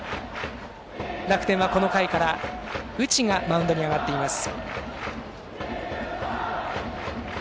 楽天は、この回から内がマウンドに上がっています。